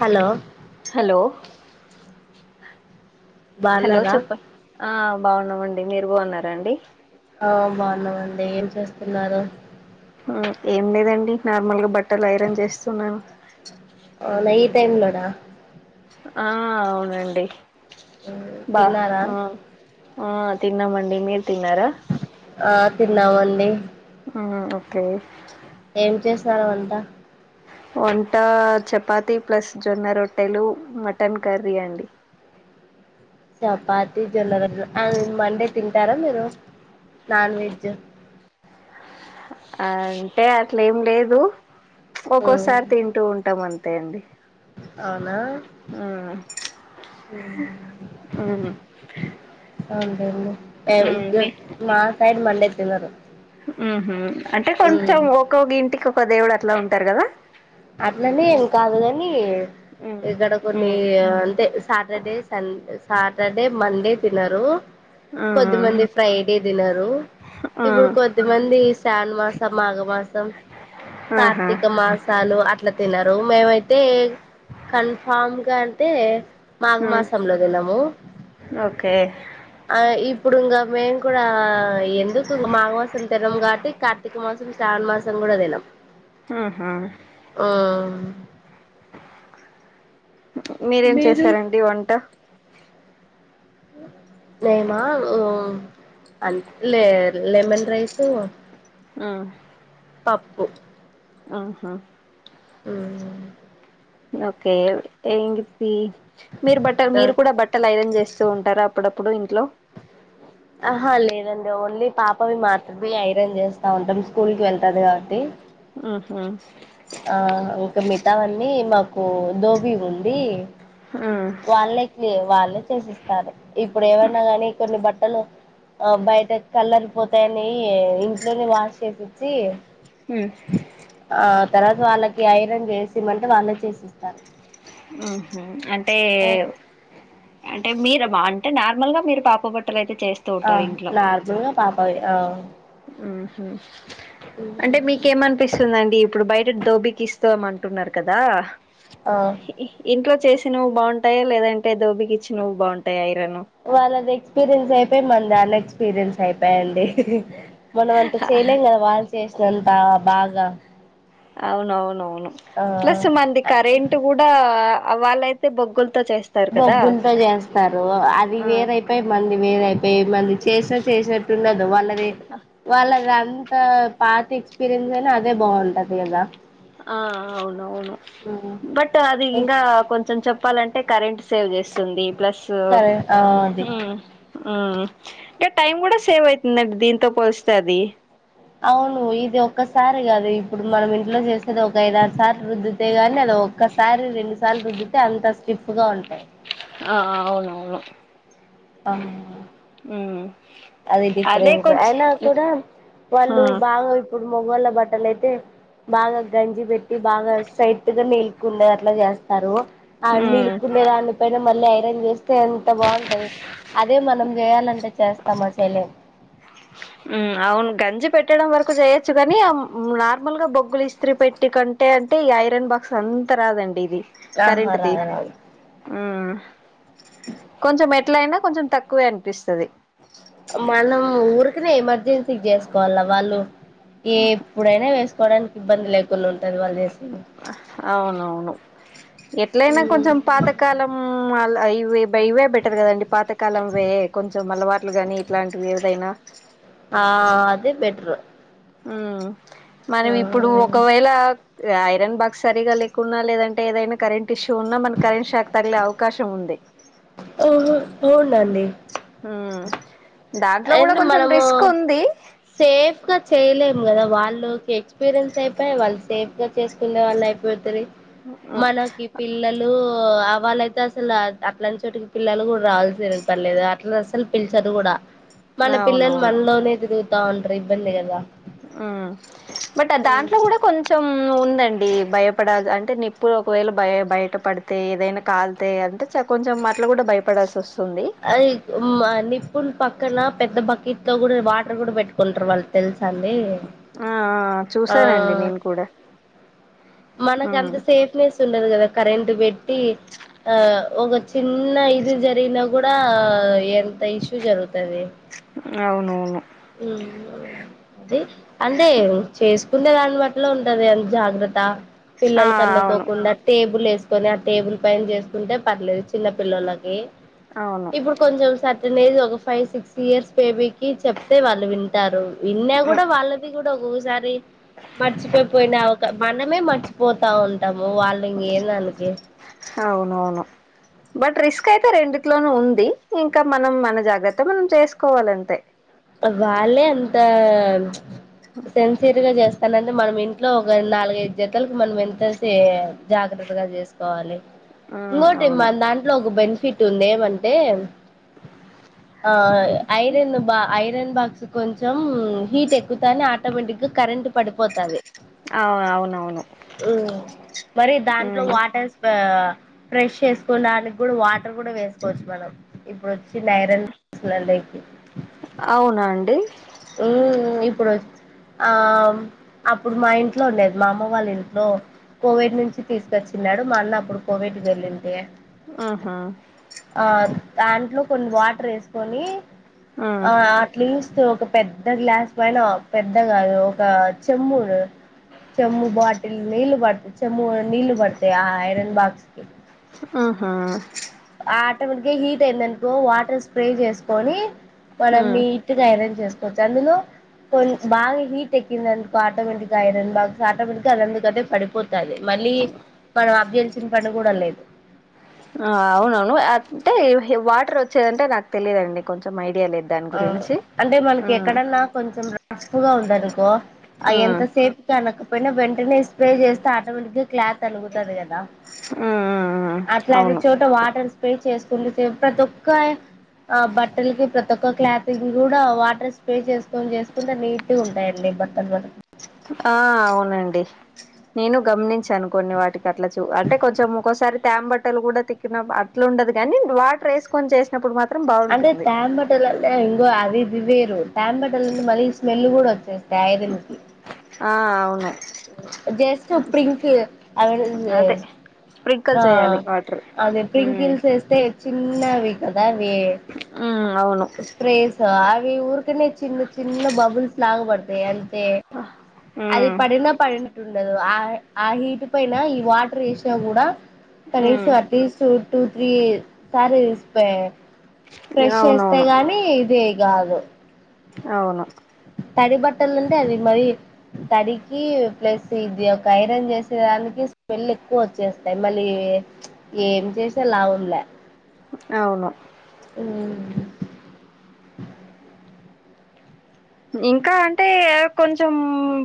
hello hello hello బాగున్నారా చెప్పు ఆ బాగున్నామండి మీరు బాగున్నారాండి ఆ బాగున్నామండి ఏం చేస్తున్నారు ఉమ్ ఏం లేదండి నార్మల్గా బట్టల్ ఐరన్ చేస్తున్నాను అవునా ఈ టైమ్ లోనా ఆ అవునండి బా తిన్నారా అ ఆ తిన్నామండి మీర్ తిన్నారా ఆ తిన్నామండి అ ఓకే ఏం చేసరు వంట వంట చపాతి ప్లస్ జొన్న రొట్టెలు మటన్ కర్రీ అండి చపాతి జొన్నరోట్లు ఆన్ మండే తింటారా మీరు నాన్ వెజ్ అంటే అట్లే ఏం లేదు ఉమ్, ఒక్కోసారి తింటూ ఉంటాం అంతే అండి అవునా ఆ ఉమ్ ఉ అవున్లెండి మీ మా సైడ్ మండే తినరు ఉహ్మ్ అంటే ఉమ్, కొంచెం ఒక్కొగింటికి ఒక దేవుడు అట్లా ఉంటారు కదా అట్లనే ఏం కాదు గని ఇక్కడ కొన్ని అంటే సాటర్డేస్ సం సాటర్డే మండే తినరు ఆ కొద్దిమంది ఫ్రైడే తినరు ఆ ఇప్పుడు కొద్దిమంది శాను మాసం మాఘమాసం ఆహా కార్తీక మాస్ సాళ్లు అట్లా తినరు మేమైతే కన్ఫామ్ గా అంటే మాఘ మాసంలో దినము ఓకే ఆ ఇప్పుడు ఇంగా మేము కూడా ఎందుకు ఇంగ మాఘమాసం తినం కాబట్టి క కార్తీక మాసం శ్రావణ మాసం గుడా దినం ఆహా ఆ మీరేం మీరు చేశారండి వంట నేమా లె లెమన్ రైసు ఆ పప్పు ఆహా ఉమ్ ఓకే ఏం గిఫ్టీ మీరు బట్ట మీరు కూడా బట్ ట్టల్ ఐరన్ చేస్తూ ఉంటారా అప్పుడప్పుడు ఇంట్లో ఆహా లేదండి ఓన్లీ పాపవి మాత్రమే ఐరన్ చేస్తా ఉంటాం స్కూల్ కి వెళ్తది కాబట్టి ఆహా ఆ ఇంకా మిగతావన్నీ మాకు ధోబీ ఉంది ఆ వాళ్ళే వాళ్ళే చేసిస్తారు ఇప్పుడు ఏమన్న కాని కొన్ని బట్టలు ఆ బయట కలర్ పోతయని ఇంట్లోనే వాష్ చేపిచ్చి ఉ ఆ తర్వాత వాళ్ళకి ఐరన్ చేసిమంటే వాళ్ళే చేసిస్తారు ఉహు అంటే అంటే మీద బావుంటే నార్మల్ గా మీరు పాప బట్టలు అయితే చేయిస్త ఆ నార్మలుగా పాపవి ఆ ఉహు అంటే మీకేమనిపిస్తుందండి ఇప్పుడు బయట దోబీకి ఇస్తమంటున్నారు కదా ఆ ఇంట్లో చేసిన నువ్వు బాగుంటయా లేదంటే దోబికిచ్చిన నువ్వు బాగుంటాయ ఐరన్ వాళ్ళది ఎక్స్పీరియన్స్ అయిపోయి మంది అన్ ఎక్స్పీరియన్స్ అయిపయండి మనం అంత చేయలేం కదా వాళ్ళు చేసినంత బాగా ప అవునవునవును ప్లస్ మంది కరెంట్ కూడా వాళ్ళయితే బొగ్గులతో చేస్ బొగ్గుల్తో చేస్తారు అది ఆ వేరైపోయి మంది వేరైపోయి మరి చేసే చేసేట్టుండదు వాళ్ళది వాళ్ళదం ద పాత ఎక్స్పీరియన్స్ అయినా అదే బావుంటది కదా ఆ అవునవును బట్ అది ఇంకా కొంచెం చెప్పాలం కరెంట్ సేవ్ చేస్తుంది ప్లస్ ఉ కరె ఆ అది ఉ ఇగ టైం కూడా సేవ్ అవుతుందండి దీంతో పోలిస్తే అది అవును ఇది ఒక్కసారి కాదు ఇప్పుడు మనం ఇంట్లో చేసేది ఒక ఐదారు సార్లు రుద్దుతే కాని అది ఒకసారి రెండు సార్లు రుద్దితే అంత స్టిఫ్ గా ఉంటాయి ఆ అవునవును అ ఉ అది డిఫరెన్స్ అయినా కూడా వాళ్ళు ఉమ్ బాగా ఇప్పుడు మొగొళ్ళ బట్టలయితే బాగా గంజి పెట్టి బాగా స్ట్రైట్ గా నీల్కుండే అట్లా చేస్తారు ఆ కుళ్ళే దాని పెట్ ఇగ మళ్ళీ ఐరన్ చేస్తే ఎంత బాగుంటాయి అదే మనం చేయాలంటే చేస్తామ చెయలెం అవును గంజి పెట్టడం వరకు చేయొచ్చు కనీ నార్మల్ గా బొగ్గులు ఇస్త్రీ పెట్టి కం అంటే అంటే ఈ ఐరన్ బాక్స్ అంత రాదండి ఇది ఆహా కరెంట్ తీ రాదు రాదు ఆ కొంచమెట్ ఎట్లయినా కొంచెం తక్కువే అనిపిస్తది మనం ఊరికనే ఎమర్జెన్సీకి చేసుకోవాల వాళ్ళు ఇగ ఎప్పుడైనా వేసుకోవడానికి ఇబ్బంది లేకుండా ఉంటంది వాళ్ళు చేస్ అవునవును ఎట్లయినా కొంచెం పాతకాలం అల్ అయి ఉ ఇవే బెటర్ కదండి పాతకాలంవే కొంచెం అలవాట్లు గాని ఇట్లాంటివి ఏవైనా ఆ అదే బెట్రు ఉ మనం ఇప్పుడు ఒకవేళ ఐరన్ బాక్స్ సరిగా లేకున్నా లేదంటే ఏదైనా కరెంట్ ఇష్యూ ఉన్నా మనకి కరెంట్ షాక్ తగిలే అవకాశం ఉంది ఓహో ఓవుల్లండి ఉ దాంట్లో కూడ కొంచెం రిస్క్ ఉంది సేఫ్గా చేయలేము కదా వాళ్ళకి ఎక్స్పీరియన్స్ అయిపయె వాళ్ళు సేఫ్ గా చేసుకునే వాళ్ళు అయిపోతిరి మనకి పిల్లలు ఆ వాళ్ళైతే అసలు అట్లాంటి చోటికి పిల్లలు కూడా రావాల్సి క్కర్లేదు అట్లా అసలు పిలిచదు కూడా మన పిల్లలు అవునవును మనలోనే తిరుగుతా ఉంటారు ఇబ్బంది కదా ఆ బట్ దాంట్లో కూడా కొంచం ఉందండి భయపడాల్ అంటే ఇప్పుడు ఒకవేళ బయ బయటపడ్ తె ఏదైనా కాలీతే అంటే కొంచెం అట్ల కూడా భయపడాల్సి వస్తుంది అది నిప్పుల పక్కన పెద్ద బకెట్లో కూడా వాటర్ కూడా పెట్టుకుంటారు వాళ్ళు తెలుస అండి ఆ ఆ ఆ చూసానండి నేను కూడా మనకు హ్మ్ అంత సేఫ్ ెస్ ఉండదు కదా కరెంట్ పెట్టి ఆ ఒక చిన్న ఇది జరిగిన కూడా ఎంత ఇష్యూ జరుగుతది అవునవును మ్ అది అంటే చేసుకుంటే దానిబట్లో ఉంటది అంత జాగ్రత్త ఆ పిల్లలకు అవును అందుకోకుండా టేబుల్ వేసుకొని ఆ టేబుల్ పైన చేసుకుంటే పర్లేదు చిన్న పిల్లలకి అవును ఇప్పుడు కొంచెం సటెన్ ఏజ్ ఒక ఫైవ్ సిక్స్ ఇయర్స్ బేబీ కి చెప్తే వాళ్ళు వింటారు విన్నా ఉ కూడా వాళ్ళది కూడా ఒక్కొక్కసారి మర్చిపోయిపోయిన ఓక మనమే మర్చిపోతా ఉంటాము వాళ్ళు ఇంకే దనికి అవునవును బట్ రిస్క్ అయితే రెండుట్లోనూ ఉంది ఇంకా మనం మన జాగ్రత్త మనం చేసుకోవాలి అంతే వాళ్ళే అంతా సెన్సియర్ గా చేస్తానంటే మనం ఇంట్లో ఒక నాలుగైదు జతలకు మనం ఎంతసే జాగ్రత్తగా చేసుకోవాలి ఉమ్ ఇంకోటి అవును మన దాంట్లో ఒక బెనిఫిట్ ఉంది ఏమంటే ఆ ఐరన్ ను బా ఐరన్ బాక్స్ కొంచెం హీట్ ఎక్కుతానే ఆటోమేటిక్గా కరెంట్ పడిపోతది అవు అవునవును మ్ మరి దాంట్లో ఉమ్ వాటర్ ఆ ఫ్రెష్ చేసుకోడానికి కూడా వాటర్ కూడా వేసుకోవచ్చు మనం ఇప్పుడో డొచ్చిన ఐరన్స్ లలోకి అవునా అండి మ్ ఇప్పుడు ఆ అప్పుడు మా ఇంట్లో ఉండేది మా అమ్మ వాళ్ళ ఇంట్లో కువైట్ నుంచి తీసుకొచ్చినడు మా అన్న అప్పుడు కువైట్ కేళ్ళింటి ఆహా ఆ దాంట్లో కొన్ని వాటరేసుకొని ఉమ్ ఆ ్లీూస్త ఒక పెద్ద గ్లాస్ పైన పెద్ద కాదు ఒక చెమ్ము చెమ్మూ బాటిల్ నీల్బ బట్ చేమ్మూ నీటిల్ పాడుతాయి ఆ ఆఐరన్ బాక్స్కి ఆహా ఆటోమేటిక్గా హీట్ అయిందనుకో వాటర్ స్ప్రే చేసుకొని మనం ఉమ్ ని ట్ గా ఐరన్ చేసుకోవచ్చు అందులో కొ బాగా హీట్ ఎక్కింది అందుకో ఆటోమేటిక్గా ఐరన్ బాక్స్ ఆటోమేటిక్గా అందుకంటే పడిపోత్ తది మళ్ళీ మనం అఫ్ చేయాల్సిన పని కూడా లేదు ఆ అవునవును అంటే వాటర్ వచ్చేదంటే నాకు తెలిదండి కొంచెం ఐడియా లేదు దాని ఆ గురించి అంటే మనకి ఉమ్ ఎక్కడన్నా కొంచెం రఫ్ గా ఉందనుకో ఆ ఉమ్ ఎంతసేప్ తనకపోయినా వెంటనే స్ప్రే చేస్తే ఆటోమేటిక్ గా క్లాత్ అనుగుతాది కదా ఉమ్ ఉమ్ అట్లాంటి అవును చోట వాటర్ పే చేసుకున్న సేపు ప్రతి ఒక్క ఆ బట్టలకి ప్ర తి కొత్త క్లాత్ గి కూడా వాటర్ స్ప్రే చేసుకొని చేసుకుంటే నీట్ గా ఉంటాయండి బట్టలు కూడ ఆ అవునండి నేను గమనించాను కొన్ని వాటికి అట్లా చూ అంటే కొంచెం ఒక్కసారి తేంబట్టలు కూడా తిక్కిన అట్లే ఉండదు కాని వాటర్ వేసుకొని చేసు కున్నప్పుడు మాత్రం బా అంటే తేంబట్టలు అంటే ఇంగ అది ఇది వేరు తేంబట్టలు మళ్లీ స్మెల్ కూడా వచ్చాయ్ [unintelligible] ఆ అవును జస్ట్ స్ప్రింక్ ఐరన్ అదే చేసు స్ప్రింకల్ ఆ చేయాలి వాటర్ అదే ఉమ్ స్ప్రింకిల్స్ వేస్తే చిన్నవి కదా అవి ఆ అవును స్ప్రేస్ అవి ఊరికనే చిన్న చిన్న బబుల్స్ లాగ పడతాయి అంతే అది ఉమ్ పడినా పడినట్టు ఉండదు ఆ ఆ హీట్ పైన ఈ వాటర్ వేసినా కూడా ఉమ్ కనీసం అట్ లీస్ట్ టూ త్రీ సారి స్పే ఫ్రెష్ చేస్తే అవునవును గాని ఇది గాదు అవును తడి బట్టల్దుంటే అది మరి తడికి ప్లస్ ఇది ఒక ఐరన్ చేసేదానికి స్మెల్ ఎక్కువ వచ్చేస్తాయి మళ్ళీ ప్చ్ ఏం చేసినా లాభంలే అవును ఉమ్ ఇంకా అంటే కొంచెం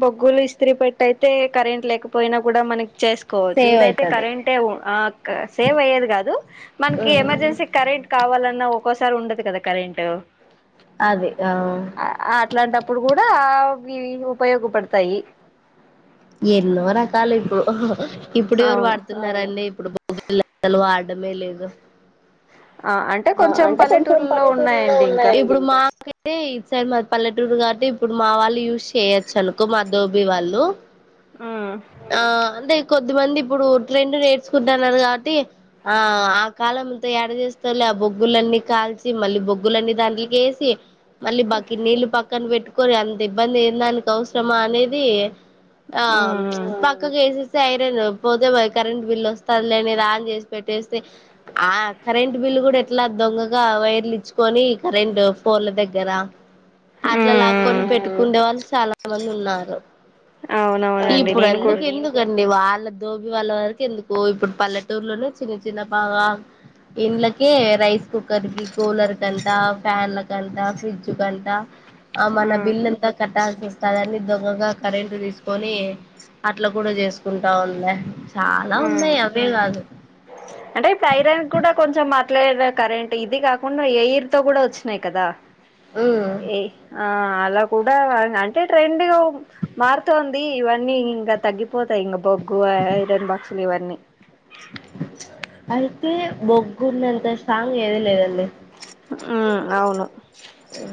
బొగ్గులు ఇస్త్రీ పెట్టె అయితే కరెంట్ లేక పోయినా కూడా మనకి చేసు కోవచ్చు సేవ్ ఇదైతే అయితది కరెంటే [unintelligible] సేవ్ అయ్యేది కాదు మనకి ఎమర్జెన్సీకి కరెంట్ కావాలన్నా ఒక్కోసారి ఉండదు కదా కరెంట్ అది ఆ ఆ అట్లాంటప్పుడు కూడా ఇవి ఉపయోగపడతాయి ఎన్నో రకాలు ఇప్పుడు ఇప్పుడు ఎవరు అవును వాడుతు న్నారండి ఇప్పుడు బొ [unintelligible] అస్సలు వాడ్డమే లేదు ఆ అంటే ఆ అంటే కొంచెం పల్లెటూర్లలో పల్లెటూరులో ఉన్నాయండి ఉన్నాయి ఇంకా అనుకుంటా కైతే ఈ సైడ్ మాది పల్లెటూరు కాబట్టి ఇప్పుడు మా వాళ్ళు యూజ్ చేయొచ్చు అనుకో మా దోబీ వాళ్ళు ఆ ఆ అంటే కొద్దిమంది ఇప్పుడు ట్రెండ్ నేర్చుకుంటన్నారు కాబట్టి ఆ ఆ కాలంతో యాడ చేస్ టోళ్లే ఆ బొగ్గులన్నీ కాల్చి మళ్ళీ బొగ్గులన్నీ దాంట్లోకి వేసి మళ్ళీ బకిట్ నీళ్లు పక్కన పెట్టుకొని అంత ఇబ్బంది ఏం దానికి అవసరమా అనేది ఆవున్ ఉమ్ ప్చ్ పక్కకు వేసేస్తే ఐరన్ పోతే పోయే కరెంట్ బిల్ వస్తాందిలే అని ఆన్ చేసి పెట్టేస్తే ఆ కరెంట్ బిల్లు కూడా ఎట్లా దొంగగా వైర్లు ఇచ్చుకొని కరెంట్ ఫోల్ల దగ్గర ఉమ్ అట్లా లాక్కొని ఉమ్ పెట్టుకుండే వాళ్ళు చాలా మంది ఉన్నారు అవునవునండి ఇప్పుడు నేను అందుకు కూడా ఎందుకు వాళ్ళ దోబి వాళ్ళ వరకు ఎందుకు ఇప్పుడు పల్లెటూరులోనే చిన్న చిన్న [unintelligible] ఇంలకే రైస్ కుక్కర్ కి కూలర్ కంటా ఫ్యాన్లకంతా ఫ్రిడ్జ్ కంతా ఆ మన ఉమ్ బిల్ అంత కట్టాల్సి వస్తదని దొంగగా కరెంట్ తీసుకొని అట్లా కూడ చేసుకుంటా [unintelligible] చాలా ఉమ్ ఉన్నాయి అవే కాదు అంటే థైరాయిడ్ కూడా కొంచెం అట్లే కదా కరెంటు ఇది కాకుండా ఎయిర్ కూడా వచ్చినాయి కదా ఉ ఏ ఆ అలా కూడ అంటే ట్రెండ్గా మారుతోంది ఇవన్నీ ఇంగా తగ్గిపోతాయి ఇంక బొగ్గు ఐరన్ బాక్సులు ఇవన్నీ అయితే బొగ్గున్నంత స్ట్రాంగ్ ఏది లేదండి హమ్ అవును ఉ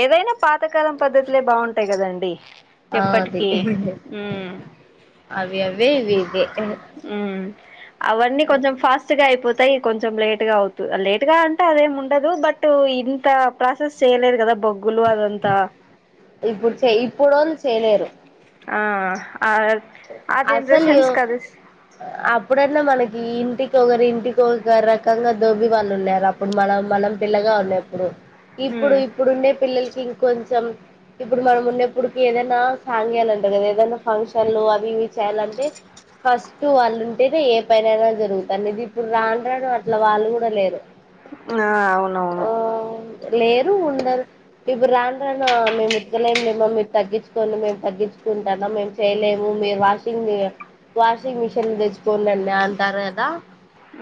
ఏదైనా పాతకాలం పద్ధతులే బాగుంటాయి కదండి ఆ అది ఎప్పటికీ హు అవి అవే ఇవి ఇవే ఉ అవన్నీ కొంచెం ఫాస్ట్గా అయిపోతాయి కొంచెం లేటుగా అవుత లేటుగ అదేం ఉండదు బట్ ఇంత ప్రాసెస్ చేయలేదు కదా బొ గులు అదంతా ఇప్పుడు చే ఇప్పుడోళ్ళు చేయలేరు ఆ ఆ ఆ అసలు జనరేషన్స్ [unintelligible] కది అప్పుడన్నా మనకి ఇంటికి ఒకరు ఇంటికి ఒకరు రకంగా దోబి వాళ్ళు ఉన్నారు ఇప్పుడు మనం మనం పిల్లగా ఉన్నప్పుడు ఇప్పుడు ఉమ్ ఇప్పుడుండే పిల్లల్ ఇంకొంచెం ఇప్పుడు మనం ఉన్నప్పుటికి ఏదైనా [unintelligible] కదా ఏదైనా [unintelligible] అవి ఇవి చేయాలంటే ఫస్ట్ వాళ్ళు అంటేతే ఏ పనైనా జరుగుతంది ఇప్పుడు రాను రాను అట్లా వాళ్ళు కూడా లేరు ఆ అవునవును ఆ లేరు ఉండరు ఇప్పుడు రాను రానా మేము ఉత్తకలేంలేమా మీరు తగ్గించుకోండి మేము తగ్గించుకుంటానం మేము చేయలేము మీరు వాషింగ్ వాషింగ్ మిషన్ తెచ్చుకోండి అంటారు కదా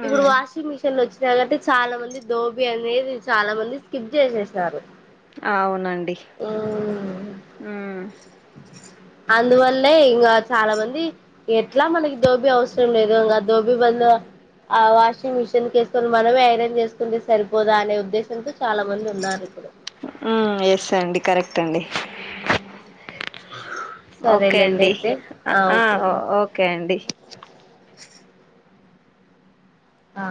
ఇప్పుడు వాష్ మిషన్ వచ్చినా కాబట్టి చాలా మంది దోబి అనేది చాల మంది స్కిప్ చేసేసినారు అవునండి ఉమ్ ఆ అందువల్లే ఇంగా చాలా మంది ఎట్లా మనకి దోబీ అవసరం లేదు ఇంకా దోబీ బదులు ఆ వాషింగ్ మిషిన్ [unintelligible] సుకొని మనమే ఐరన్ చేసుకుంటే సరిపోదా అనే ఉద్దేశంతో చాలా మంది ఉన్నారు ఇప్పుడు ఎస్ అండి కరెక్ట్ అండి ఓకే సరేలేండి అండి అయితే ఆ ఓకే అండి ఓకే అండి ఆ